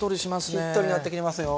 しっとりなってきてますよ。